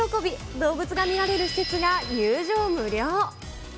動物が見られる施設が入場無料。